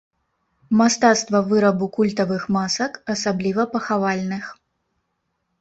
Мастацтва вырабу культавых масак, асабліва пахавальных.